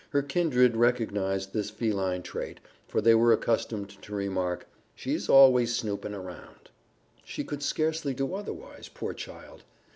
Her kindred recognized this feline trait, for they were accustomed to remark, "She's always snoopin' around." She could scarcely do otherwise, poor child!